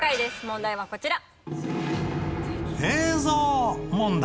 問題はこちら。